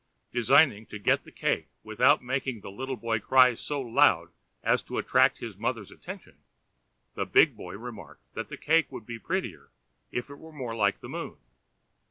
Designing to get the cake without making the little boy cry so loud as to attract his mother's attention, the big boy remarked that the cake would be prettier if it were more like the moon.